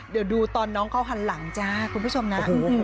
เดี๋ยวดูตอนน้องเขาหันหลังจ้าคุณผู้ชมนะ